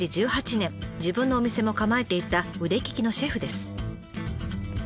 自分のお店も構えていた腕利きのシェフです。